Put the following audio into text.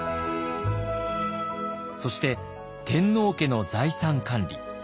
そして天皇家の財産管理。